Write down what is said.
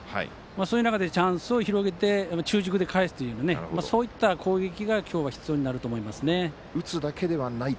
そういう中で、チャンスを広げて中軸で返すというようなそういった攻撃が今日は必要になると思います。